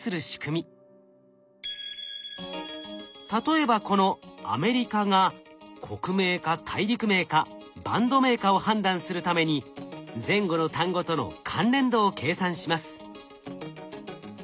例えばこの「アメリカ」が国名か大陸名かバンド名かを判断するために前後の単語との関連度を計算します。